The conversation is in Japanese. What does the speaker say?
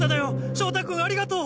翔太君ありがとう！